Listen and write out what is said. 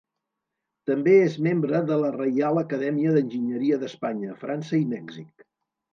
També és membre de la Reial Acadèmia d'Enginyeria d'Espanya, França i Mèxic.